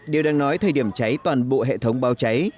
điều đang nói thời điểm cháy toàn bộ hệ thống báo cháy